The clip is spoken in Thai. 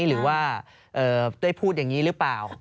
หรือว่าได้พูดอย่างนี้หรือเปล่า